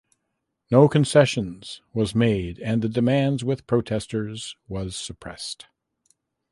No concessions was made and the demands with protesters was suppressed.